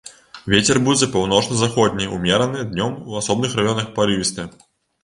Вецер будзе паўночна-заходні, умераны, днём у асобных раёнах парывісты.